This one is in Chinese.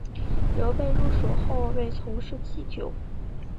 刘备入蜀后为从事祭酒。